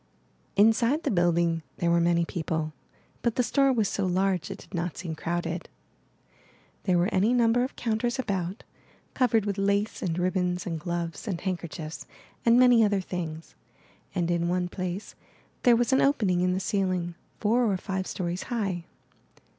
Inside the building there were many people, but the store was so large it did not seem crowded. There were any number of counters about, covered with lace, and ribbons, and gloves, and handkerchiefs, and many other things; and in one place there was an opening in the ceiling, four or five stories high.